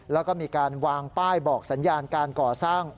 แล้วก็มีการวางป้ายบอกสัญญาการก่อสร้าง